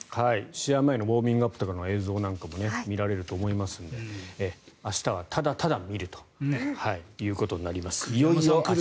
試合前のウォーミングアップとかの映像なんかも見られると思いますので明日は、ただただ見るということになります。